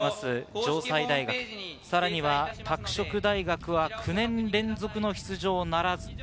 常連校である城西大学、さらには拓殖大学は９年連続の出場ならず。